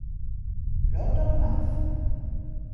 London Math.